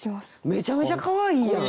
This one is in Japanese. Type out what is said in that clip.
めちゃめちゃかわいいやん。